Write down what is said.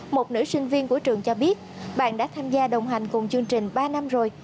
một nữ sinh viên của trường cho biết bạn đã tham gia đồng hành cùng chương trình ba năm rồi